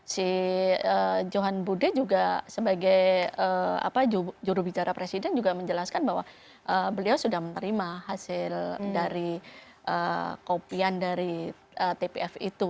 si johan budi juga sebagai jurubicara presiden juga menjelaskan bahwa beliau sudah menerima hasil dari kopian dari tpf itu